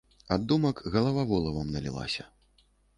Ад думак галава волавам налілася.